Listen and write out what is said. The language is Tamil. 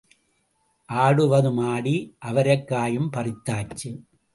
ஆடுவதும் ஆடி அவரைக் காயும் பறித்தாச்சு.